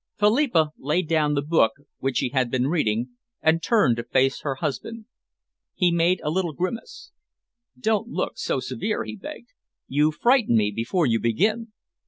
Philippa laid down the book which she had been reading, and turned to face her husband. He made a little grimace. "Don't look so severe," he begged. "You frighten me before you begin."